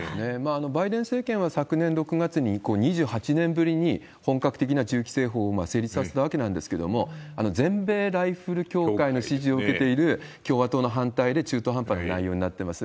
バイデン政権は昨年６月に、２８年ぶりに本格的な銃規制法を成立させたわけなんですけれども、全米ライフル協会の支持を受けている共和党の反対で中途半端な内容になっています。